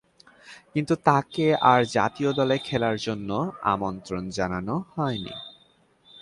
কিন্তু, তাকে আর জাতীয় দলে খেলার জন্যে আর আমন্ত্রণ জানানো হয়নি।